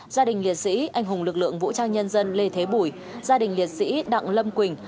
gia đình liệt sĩ anh hùng lực lượng vũ trang nhân dân lê thế bùi gia đình liệt sĩ đặng lâm quỳnh